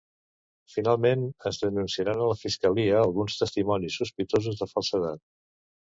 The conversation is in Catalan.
Finalment, es denunciaran a la fiscalia alguns testimonis sospitosos de falsedat.